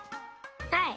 はい！